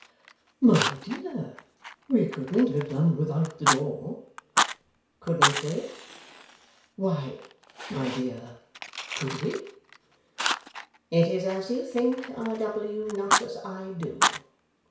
'My dear, we couldn't have done without the door.' 'Couldn't we?' 'Why, my dear! Could we?' 'It is as you think, R. W.; not as I do.